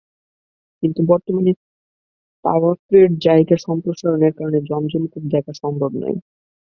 কিন্তু বর্তমানে তাওয়াফের জায়গা সম্প্রসারণের কারণে জমজম কূপ দেখা সম্ভব নয়।